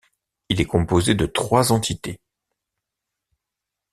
Il est composé de trois entités.